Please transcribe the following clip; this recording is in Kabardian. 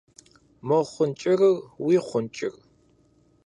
Мо хъун кӏырыр уи хъун кӏыр?